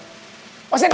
alamak banget sih ya